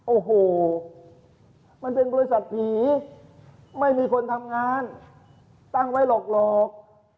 โอ้โหมันเป็นบริษัทผีไม่มีคนทำงานตั้งไว้หรอก